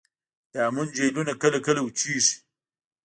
د هامون جهیلونه کله کله وچیږي